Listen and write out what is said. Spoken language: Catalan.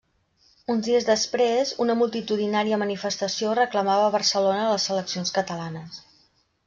Uns dies després una multitudinària manifestació reclamava a Barcelona les seleccions catalanes.